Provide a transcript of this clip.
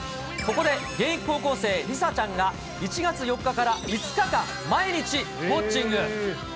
ここで現役高校生、梨紗ちゃんが、１月４日から５日間、毎日、ウオッチング。